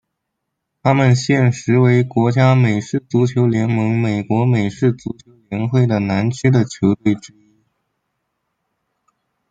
他们现时为国家美式足球联盟美国美式足球联会的南区的球队之一。